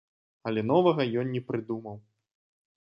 Але новага ён не прыдумаў.